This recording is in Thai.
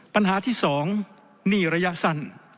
ปัญหาที่๒หนี้ระยะสั้น